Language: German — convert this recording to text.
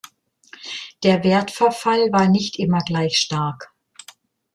Der Wertverfall war nicht immer gleich stark.